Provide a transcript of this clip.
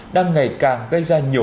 đang ngày càng gây ra những cái vấn đề